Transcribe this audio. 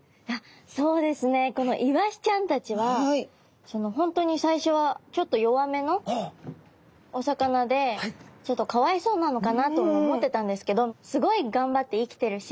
そうですねこのイワシちゃんたちは本当に最初はちょっと弱めのお魚でちょっとかわいそうなのかなとも思ってたんですけどすごいがんばって生きてるし。